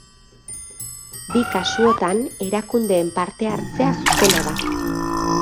Bi kasuotan erakundeen parte hartzea zuzena da.